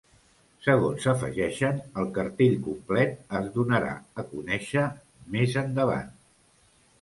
Segons afegeixen, el cartell complet es donarà a conèixer “més endavant”.